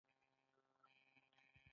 غشی یو ډیر مهم او لوی اختراع و.